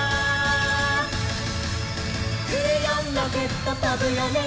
「クレヨンロケットとぶよね」